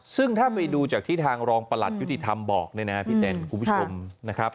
ซึ่งถ้าไปดูจากที่ทางรองประหลัดยุติธรรมบอกเนี่ยนะครับพี่เต้นคุณผู้ชมนะครับ